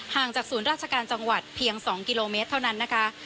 จากศูนย์ราชการจังหวัดเพียง๒กิโลเมตรเท่านั้นนะคะ